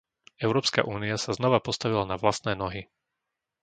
Európska únia sa znova postavila na vlastné nohy.